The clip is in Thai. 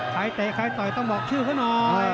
เตะใครต่อยต้องบอกชื่อเขาหน่อย